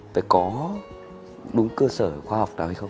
phải có đúng cơ sở khoa học nào hay không